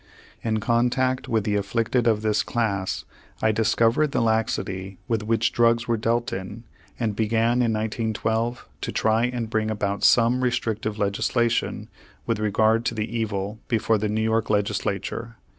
In contact with the afflicted of this class, I discovered the laxity with which drugs were dealt in, and began in 1912 to try and bring about some restrictive legislation with regard to the evil before the New York legislature.